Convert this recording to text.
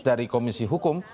dari komisi hukum